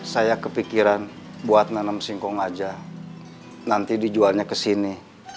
saya kepikiran buat nanam singkong aja nanti dijualnya ke sini